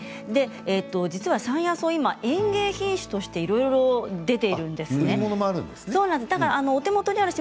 実は山野草、今園芸品種としていろいろ出ているんです。